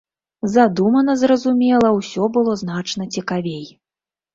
Задумана, зразумела, усё было значна цікавей.